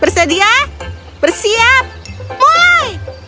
bersedia bersiap mulai